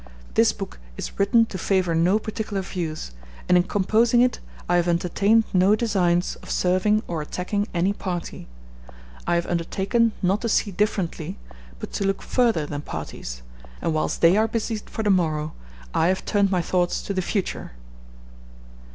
This book is written to favor no particular views, and in composing it I have entertained no designs of serving or attacking any party; I have undertaken not to see differently, but to look further than parties, and whilst they are busied for the morrow I have turned my thoughts to the Future.